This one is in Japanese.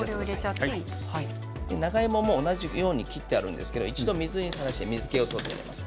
長芋も同じように切ってあるんですけど一度、水にさらして水けを取ってあります。